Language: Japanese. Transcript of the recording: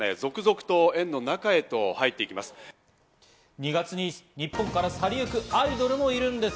２月に日本から去りゆくアイドルもいるんです。